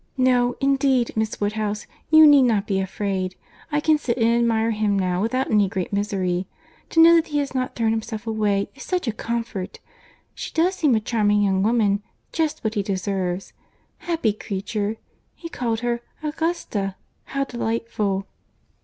No, indeed, Miss Woodhouse, you need not be afraid; I can sit and admire him now without any great misery. To know that he has not thrown himself away, is such a comfort!—She does seem a charming young woman, just what he deserves. Happy creature! He called her 'Augusta.' How delightful!"